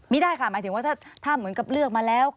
ไม่ได้ค่ะหมายถึงว่าถ้าเหมือนกับเลือกมาแล้ว